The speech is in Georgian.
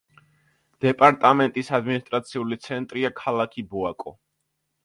დეპარტამენტის ადმინისტრაციული ცენტრია ქალაქი ბოაკო.